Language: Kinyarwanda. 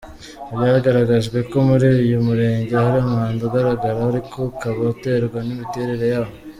Byagaragajwe ko muri uyu Murenge hari umwanda ugaragara ariko ukaba uterwa n’imiterere yaho.